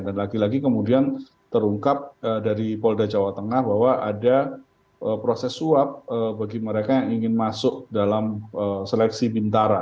dan lagi lagi kemudian terungkap dari polda jawa tengah bahwa ada proses suap bagi mereka yang ingin masuk dalam seleksi bintara